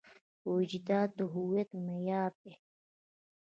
وجدان د هویت معیار دی.